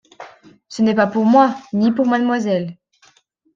Ce n’est pas pour moi ni pour mademoiselle.